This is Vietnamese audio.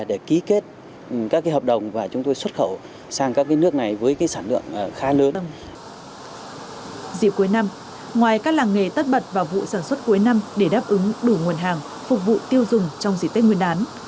dịp cuối năm ngoài các làng nghề tất bật vào vụ sản xuất cuối năm để đáp ứng đủ nguồn hàng phục vụ tiêu dùng trong dịp tết nguyên đán